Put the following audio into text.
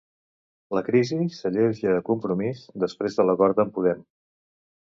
La crisi s'alleuja a Compromís després de l'acord amb Podem.